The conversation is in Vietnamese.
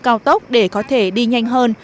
cao tốc để có thể đi nhanh hơn